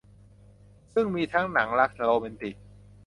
ซึ่งมีทั้งหนังรักโรแมนติก